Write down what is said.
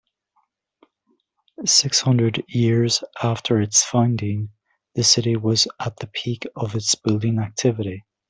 Six hundred years after its founding, the city was at the peak of its building activity.